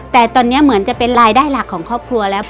แต่ตอนนี้เหมือนจะเป็นรายได้หลักของครอบครัวแล้ว